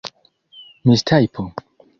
mistajpo